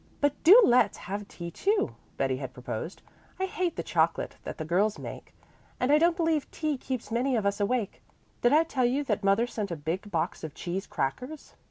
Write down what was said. "But do let's have tea too," Betty had proposed. "I hate the chocolate that the girls make, and I don't believe tea keeps many of us awake. Did I tell you that mother sent a big box of cheese crackers?"